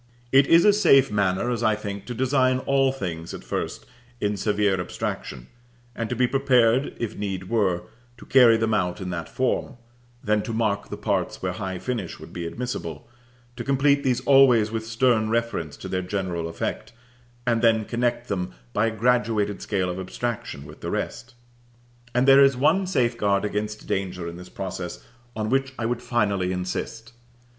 It is a safe manner, as I think, to design all things at first in severe abstraction, and to be prepared, if need were, to carry them out in that form; then to mark the parts where high finish would be admissible, to complete these always with stern reference to their general effect, and then connect them by a graduated scale of abstraction with the rest. And there is one safeguard against danger in this process on which I would finally insist.